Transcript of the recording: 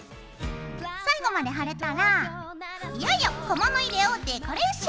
最後まで貼れたらいよいよ小物入れをデコレーション。